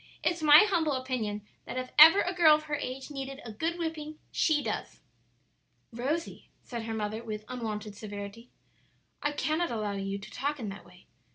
"It's my humble opinion that if ever a girl of her age needed a good whipping, she does." "Rosie," said her mother, with unwonted severity, "I cannot allow you to talk in that way.